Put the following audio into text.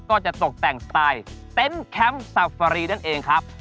ก็จะตกแต่งสไตล์เต็นต์แคมป์ซาฟารีนั่นเองครับ